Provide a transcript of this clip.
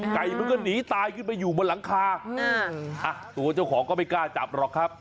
ไก่มันก็หนีตายขึ้นไปอยู่บนหลังคาตัวเจ้าของก็ไม่กล้าจับหรอกครับ